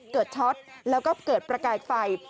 ช็อตแล้วก็เกิดประกายไฟ